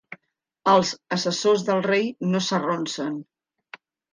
Els assessors del rei no s'arronsen.